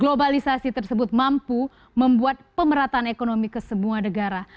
globalisasi tersebut mampu membuat pemerataan ekonomi ke semua negara